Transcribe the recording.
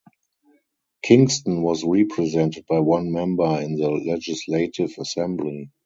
Kingston was represented by one member in the Legislative Assembly.